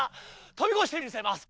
飛び越してみせます。